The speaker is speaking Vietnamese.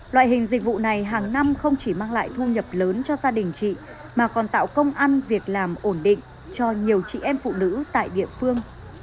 loại hình dịch vụ này hàng năm không chỉ mang lại thu nhập lớn cho gia đình chị mà còn tạo công ăn việc làm ổn định cho nhiều chị em phụ nữ tại địa phương